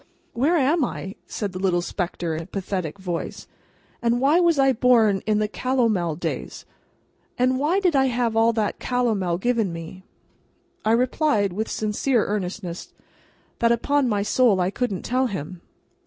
"Where am I?" said the little spectre, in a pathetic voice. "And why was I born in the Calomel days, and why did I have all that Calomel given me?" I replied, with sincere earnestness, that upon my soul I couldn't tell him.